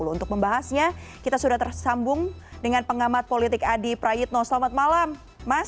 untuk membahasnya kita sudah tersambung dengan pengamat politik adi prayitno selamat malam mas